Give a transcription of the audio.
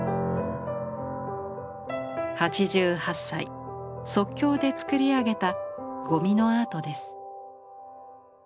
８８歳即興で作り上げたゴミのアートです。